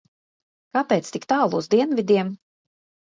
Kāpēc tik tālu uz dienvidiem?